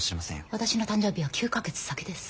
私の誕生日は９か月先です。